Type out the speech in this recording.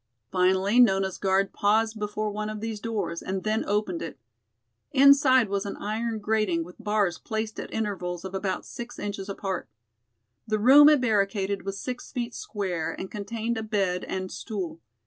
Finally Nona's guard paused before one of these doors and then opened it. Inside was an iron grating with bars placed at intervals of about six inches apart. The room it barricaded was six feet square and contained a bed and stool.